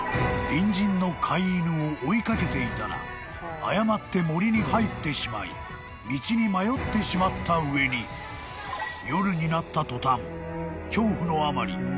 ［隣人の飼い犬を追い掛けていたら誤って森に入ってしまい道に迷ってしまった上に夜になった途端］